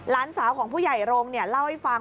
หลานสาวของผู้ใหญ่โรงเล่าให้ฟัง